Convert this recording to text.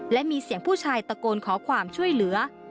และมีเสียงผู้ชายตะโกนขอความช่วยเหลือ